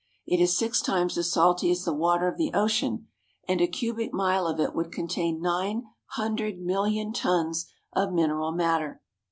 It is six times as salty as the water of the ocean, and a cubic mile of it would contain nine hundred million tons of mineral matter.